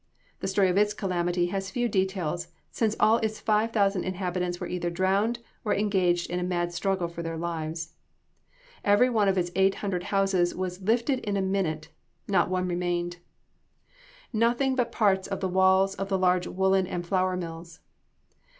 The story of its calamity has few details, since all its five thousand inhabitants were either drowning or engaged in a mad struggle for their lives. Every one of its eight hundred houses was lifted in a minute not one [Illustration: WRECK OF THE TRAINS.] remained; nothing but parts of the walls of the large woollen and flour mills.